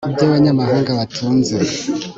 ibyo abanyamahanga batunze